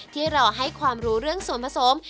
ที่รอให้ความรู้เรื่องส่วนผสม